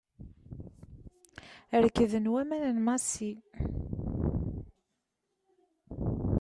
Rekden waman n Massi.